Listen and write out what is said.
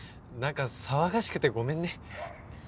なんか騒がしくてごめんね。